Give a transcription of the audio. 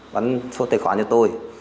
bắn số tài khoản cho tôi